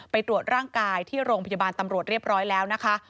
ไปตรวจร่างกายที่โรงพยาบาลตำรวจเรียบร้อยแล้วนะคะ